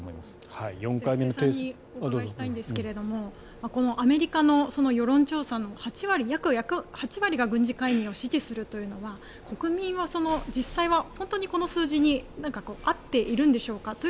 布施さんにお伺いしたいんですけれどこのアメリカの世論調査の約８割が軍事介入を支持するというのは国民は実際にこの数字に合っているんでしょうか。